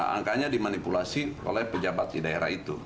angkanya dimanipulasi oleh pejabat di daerah itu